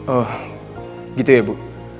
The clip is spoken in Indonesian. oh gitu ya bu